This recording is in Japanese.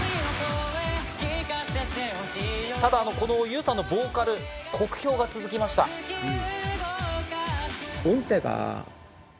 ただこのユウさんのボーカル酷評が続きました。え。